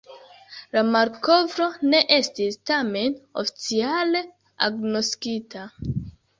La malkovro ne estis tamen oficiale agnoskita.